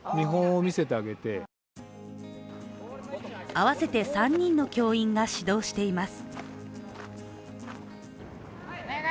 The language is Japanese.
合わせて３人の教員が指導しています。